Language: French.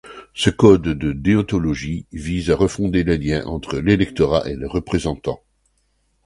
Ce code de déontologie vise à refonder les liens entre l’électorat et les représentants.